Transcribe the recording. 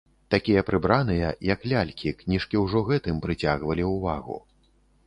Такія прыбраныя, як лялькі, кніжкі ўжо гэтым прыцягвалі ўвагу.